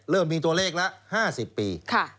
เริ่มมีตัวเลขละ๕๐ปี